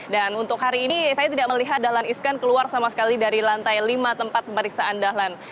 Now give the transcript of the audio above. dan untuk hari ini saya tidak melihat dalan iskan keluar sama sekali dari lantai lima tempat pemeriksaan dalan